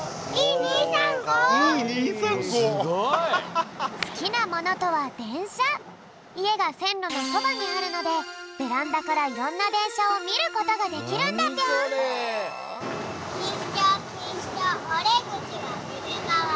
いえがせんろのそばにあるのでベランダからいろんなでんしゃをみることができるんだぴょん。